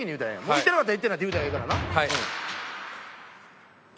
行ってなかったら「行ってない」って言うたらええからな。